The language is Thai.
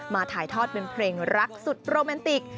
ถ่ายทอดเป็นเพลงรักสุดโรแมนติก